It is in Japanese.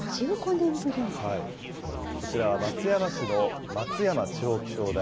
こちらは松山市の松山地方気象台。